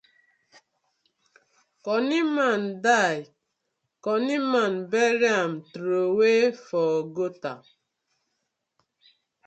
Cunny man die, cunny man bury am troway for gutter.